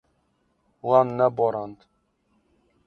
Wan neborand.